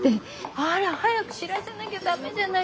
あら早く知らせなきゃダメじゃない。